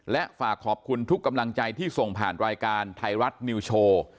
และฝากขอบคุณทุกกำลังใจที่ส่งผ่านรายการไทยรัฐนิวโชว์